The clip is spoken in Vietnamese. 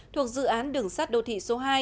thuộc dự án đường sát đô thị số hai